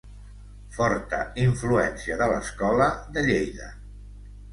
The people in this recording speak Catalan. Forta influència de l'escola de Lleida.